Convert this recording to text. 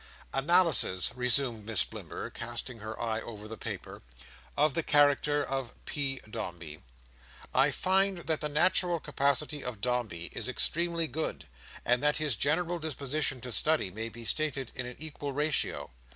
"'Analysis,'" resumed Miss Blimber, casting her eye over the paper, "'of the character of P. Dombey.' I find that the natural capacity of Dombey is extremely good; and that his general disposition to study may be stated in an equal ratio.